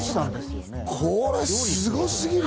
これ、すごすぎるよ。